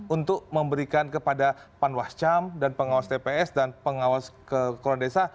untuk memberikan kepada panwascam dan pengawas tps dan pengawas ke koran desa